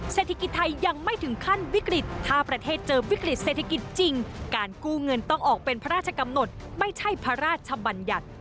เศรษฐกิจไทยยังไม่ถึงขั้นวิกฤตถ้าประเทศเจอวิกฤตเศรษฐกิจจริงการกู้เงินต้องออกเป็นพระราชกำหนดไม่ใช่พระราชบัญญัติ